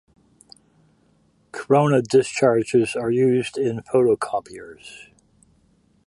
Corona discharges are used in photocopiers.